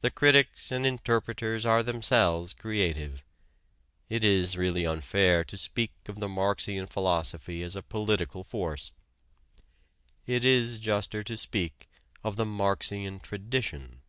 The critics and interpreters are themselves creative. It is really unfair to speak of the Marxian philosophy as a political force. It is juster to speak of the Marxian tradition.